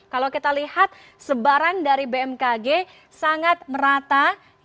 kalau kita lihat sebaran dari bmkg sangat merata